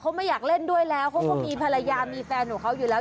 เขาไม่อยากเล่นด้วยแล้วเขาก็มีภรรยามีแฟนของเขาอยู่แล้ว